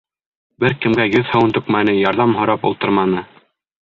Бер кемгә йөҙ һыуын түкмәне, ярҙам һорап ултырманы.